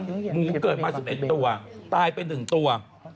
มึงนี่มันเกิดมา๑๑ตัวตายไป๑ตัว